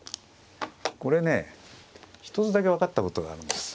これね一つだけ分かったことがあるんです。